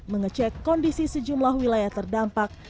mengecek kondisi sejumlah wilayah terdampak